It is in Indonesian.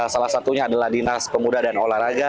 salah satunya adalah dinas pemuda dan olahraga